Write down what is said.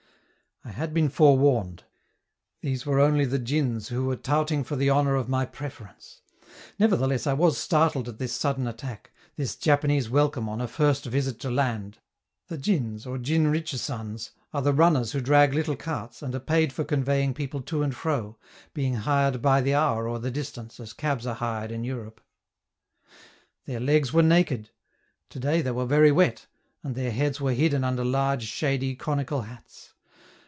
I had been forewarned; these were only the djins who were touting for the honor of my preference; nevertheless I was startled at this sudden attack, this Japanese welcome on a first visit to land (the djins or djin richisans, are the runners who drag little carts, and are paid for conveying people to and fro, being hired by the hour or the distance, as cabs are hired in Europe). Their legs were naked; to day they were very wet, and their heads were hidden under large, shady, conical hats.